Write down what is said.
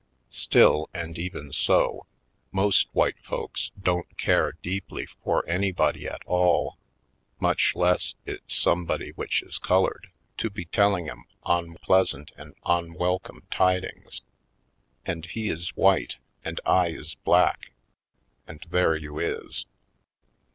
Still, and even so, most white folks don't care deeply for anybody at all, much less it's somebody which is colored, to be telling 'em onpleasant and onwelcome tidings. And he is white and I is black — and there you is!